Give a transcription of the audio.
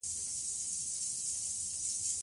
اقلیم د افغانستان د اقتصادي منابعو ارزښت زیاتوي.